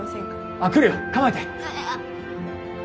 あ来るよ構えて！